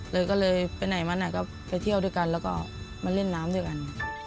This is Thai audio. เลยก็เลยไปไหนมาไหนก็ไปเที่ยวด้วยกันแล้วก็มาเล่นน้ำด้วยกัน